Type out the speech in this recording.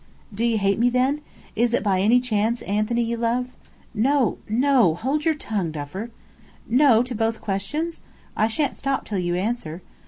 "Do you hate me, then? Is it by any chance, Anthony, you love?" "No no! Hold your tongue, Duffer." "'No' to both questions? I shan't stop till you answer."